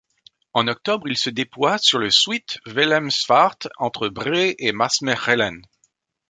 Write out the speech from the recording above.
En octobre, il se déploie sur le Zuid-Willemsvaart, entre Bree et Maasmechelen.